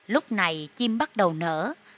lúc này chim bắt đầu nở